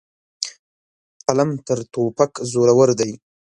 قلم تر توپک زورور دی.